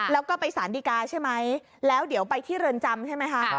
แล้วก็ไปสารดีกาใช่ไหมแล้วเดี๋ยวไปที่เรือนจำใช่ไหมคะ